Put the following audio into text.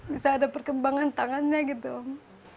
bisa ada perkembangan tangannya gitu om